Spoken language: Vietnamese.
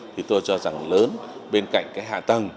thì tôi cho rằng lớn bên cạnh cái hạ tầng